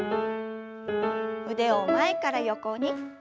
腕を前から横に。